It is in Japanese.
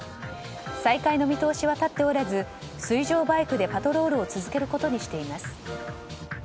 再開の見通しは立っておらず水上バイクでパトロールを続けることにしています。